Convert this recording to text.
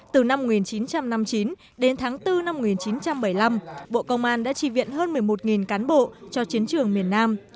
từ năm một nghìn chín trăm năm mươi chín đến tháng bốn năm một nghìn chín trăm bảy mươi năm bộ công an đã trì viện hơn một mươi một cán bộ cho chiến trường miền nam